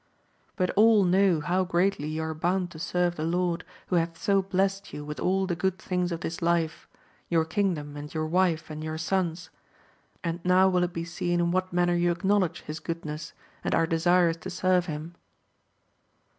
But all know how greatly you are bound to serve the Lord, who hath so blessed you with all the good things of this life, your kingdom, and your wife, and your sons ; and now will it be seen in what man. ner you acknowledge his goodness, and are desirous to AMADIS OF GAUL 213 serve him.